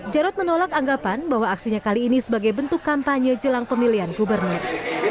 jarod menolak anggapan bahwa aksinya kali ini sebagai bentuk kampanye jelang pemilihan gubernur